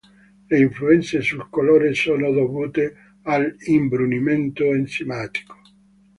Le influenze sul colore sono dovute all'imbrunimento enzimatico.